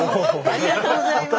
ありがとうございます。